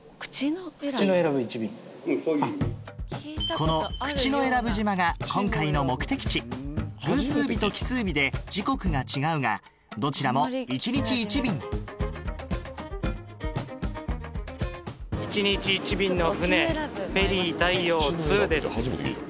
この口永良部島が今回の目的地偶数日と奇数日で時刻が違うがどちらも１日１便１日１便の船フェリー太陽です。